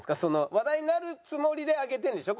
話題になるつもりで上げてるんでしょ？